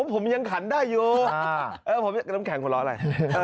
ผมยังขันได้อยู่น้ำแข็งขอล้ออะไร